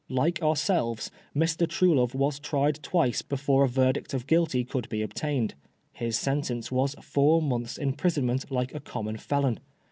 Like ourselves, Mr. Truelove was tried twice before a verdict of guilty could be obtained. His sentence was four months' imprisonment like a common felon.